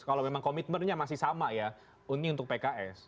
kalau memang komitmennya masih sama ya ini untuk pks